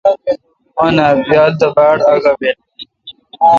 آں نا ۔بیال تہ باڑ آگہ بیل۔